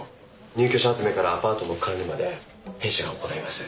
入居者集めからアパートの管理まで弊社が行います。